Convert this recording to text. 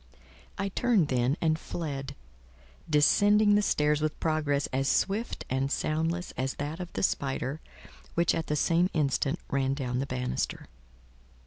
I turned, then, and fled; descending the stairs with progress as swift and soundless as that of the spider, which at the same instant ran down the bannister.